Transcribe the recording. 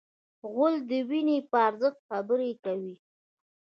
غول د وینې په ارزښت خبرې کوي.